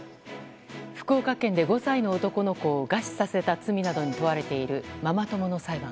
福岡県で５歳の男の子を餓死させた罪などに問われているママ友の裁判。